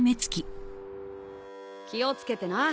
気を付けてな。